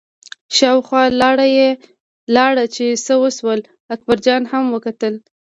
شاوخوا لاړه چې څه وشول، اکبرجان هم وکتل.